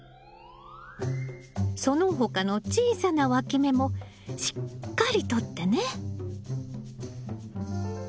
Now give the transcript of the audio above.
その他の小さなわき芽もしっかりとってね。